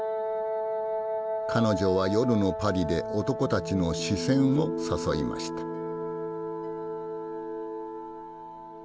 彼女は夜のパリで男たちの視線を誘いました。